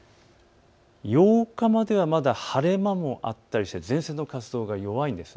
８日まではまだ晴れ間もあったりして前線の活動が弱いんです。